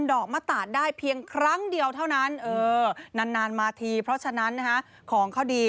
ดอกมะตาดได้เพียงครั้งเดียวเท่านั้นเออนานมาทีเพราะฉะนั้นของเขาดี